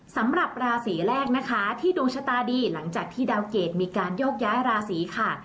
สำหรับราศีแรกนะคะที่ดวงชะตาดีหลังจากที่ดาวเกรดมีการโยกย้ายราศีค่ะ